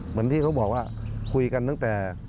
เหมือนที่เขาบอกว่าคุยกันตั้งแต่